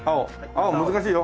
青難しいよ。